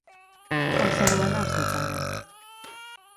Com s'anomenà el seu pare?